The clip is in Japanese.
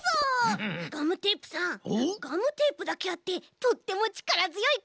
ガムテープだけあってとってもちからづよいこえですね！